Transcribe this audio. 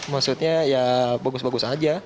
maksudnya ya bagus bagus aja